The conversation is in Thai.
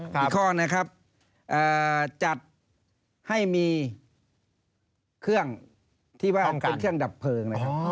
อีกข้อนะครับจัดให้มีเครื่องที่ว่ามันเป็นเครื่องดับเพลิงนะครับ